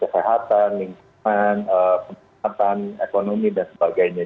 sehatan lingkungan kemampuan ekonomi dan sebagainya